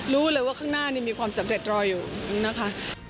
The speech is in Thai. รู้เลยว่าข้างหน้านี่มีความสำเร็จรออยู่นะคะ